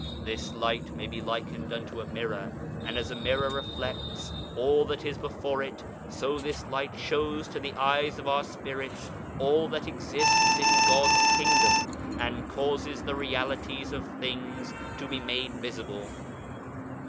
This Light may be likened unto a mirror, and as a mirror reflects all that is before it, so this Light shows to the eyes of our Spirits all that exists in God's Kingdom and causes the realities of things to be made visible.